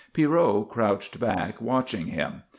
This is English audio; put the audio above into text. Pierrot crouched back, watching him.